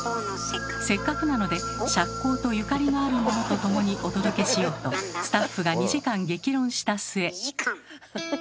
せっかくなので赤口とゆかりのあるものとともにお届けしようとスタッフが２時間激論した末。